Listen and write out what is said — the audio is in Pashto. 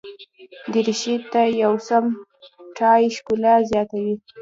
دریشي ته یو سم ټای ښکلا زیاتوي.